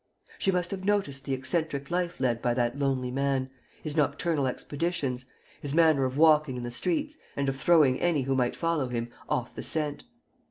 She must have noticed the eccentric life led by that lonely man, his nocturnal expeditions, his manner of walking in the streets and of throwing any who might follow him off the scent.